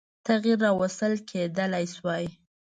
تغییر راوستل کېدلای شوای.